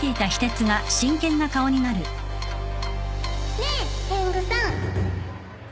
ねえ天狗さん。